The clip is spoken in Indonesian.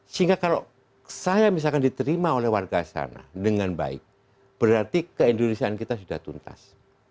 sehingga kalau saya misalkan diterima oleh warga sana dengan baik berarti keindonesiaan kita sudah tuntas